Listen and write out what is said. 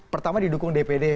pertama didukung dpd